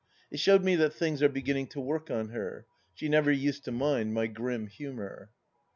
It showed me that things are be ginning to work on her. She never used to mind my grim humour.